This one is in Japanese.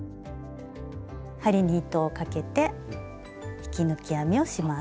針に糸をかけて引き抜き編みをします。